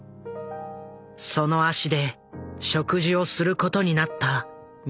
その足で食事をすることになった日韓の遺族たち。